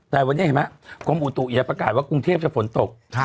แต่วันนี้เห็นไหมกรมอุตุอย่าประกาศว่ากรุงเทพจะฝนตก